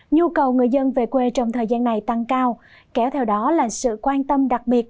nhu cầu người dân về quê trong thời gian này tăng cao kéo theo đó là sự quan tâm đặc biệt